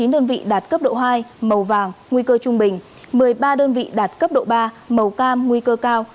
chín đơn vị đạt cấp độ hai màu vàng nguy cơ trung bình một mươi ba đơn vị đạt cấp độ ba màu cam nguy cơ cao